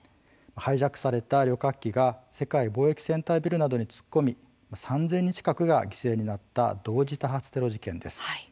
ハイジャックされた旅客機が世界貿易センタービルなどに突っ込み３０００人近くが犠牲になった同時多発テロ事件です。